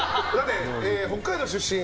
北海道出身？